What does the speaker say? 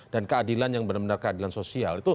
dan keadilan yang benar benar keadilan sosial